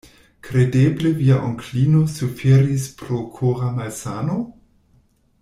Kredeble via onklino suferis pro kora malsano?